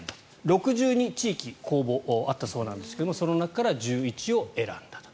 ６２地域公募があったそうなんですがその中から１１を選んだと。